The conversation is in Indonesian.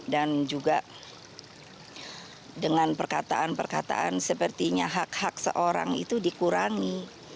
dan juga dengan perkataan perkataan sepertinya hak hak seorang itu dikurangi